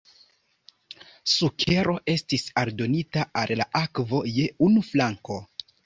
Sukero estis aldonita al la akvo je unu flanko.